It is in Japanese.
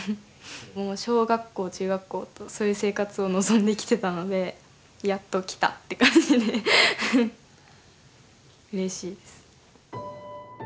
もう小学校中学校とそういう生活を望んできてたのでやっと来たって感じでうれしいです。